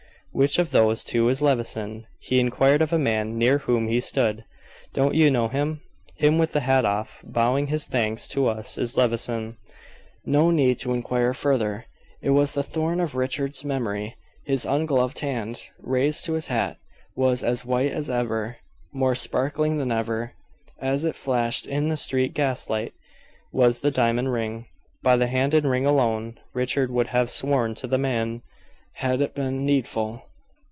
"Which of those two is Levison?" he inquired of a man near whom he stood. "Don't you know him? Him with the hat off, bowing his thanks to us, is Levison." No need to inquire further. It was the Thorn of Richard's memory. His ungloved hand, raised to his hat, was as white as ever; more sparkling than ever, as it flashed in the street gaslight, was the diamond ring. By the hand and ring alone Richard would have sworn to the man, had it been needful.